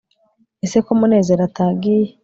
ese ko munezero atagiye